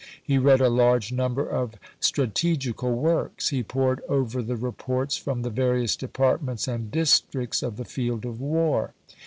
He read a large number of strategical works. He pored over the reports from the various departments and districts of the field of war.